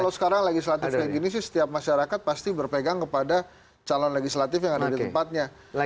kalau sekarang legislatif kayak gini sih setiap masyarakat pasti berpegang kepada calon legislatif yang ada di tempatnya